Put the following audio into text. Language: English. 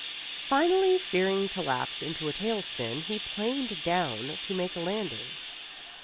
Finally, fearing to lapse into a tail spin, he planed down to make a landing.